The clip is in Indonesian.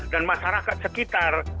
dan masyarakat sekitar